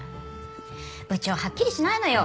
部長はっきりしないのよ。